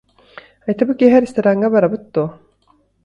Айта, бу киэһэ рестораҥҥа барабыт дуо